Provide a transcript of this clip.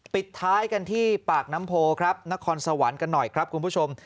ปิดท้ายกันที่ปากน้ำโพครับนครสวรรค์กันหน่อยครับคุณผู้ชม